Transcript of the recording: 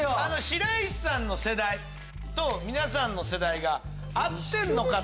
白石さんの世代と皆さんの世代が合ってるのか？